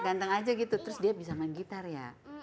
ganteng aja gitu terus dia bisa main gitar ya